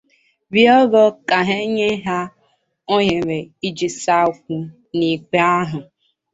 riọrọ ka e nye ha ohere iji saa okwu n’ikpe ahụ.